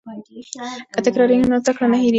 که تکرار وي نو زده کړه نه هیریږي.